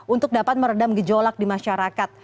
untuk dapat meredam gejolak di masyarakat